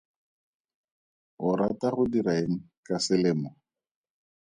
O rata go dira eng ka selemo?